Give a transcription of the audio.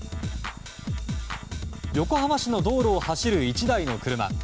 横浜市の道路を走る１台の車。